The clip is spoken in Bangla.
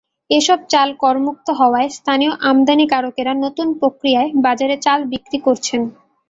এসব চাল করমুক্ত হওয়ায় স্থানীয় আমদানিকারকেরা নতুন প্রক্রিয়ায় বাজারে চাল বিক্রি করছেন।